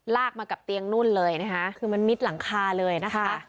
มากับเตียงนู่นเลยนะคะคือมันมิดหลังคาเลยนะคะ